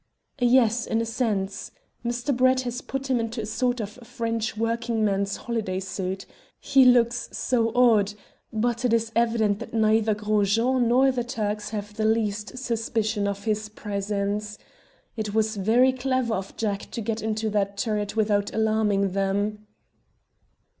"Yes, in a sense. Mr. Talbot has put him into a sort of French working man's holiday suit. He looks so odd, but it is evident that neither Gros Jean nor the Turks have the least suspicion of his presence. It was very clever of Jack to get into that turret without alarming them."